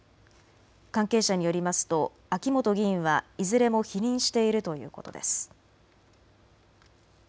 関係者によりますと秋本議員はいずれも否認しているということです。